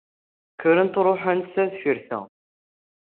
Kkrent ruḥen ta deffir ta.